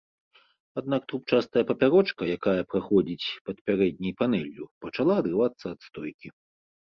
Аднак, трубчастая папярочка, якая праходзіць пад пярэдняй панэллю, пачала адрывацца ад стойкі.